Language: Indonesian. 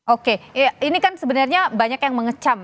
oke ini kan sebenarnya banyak yang mengecam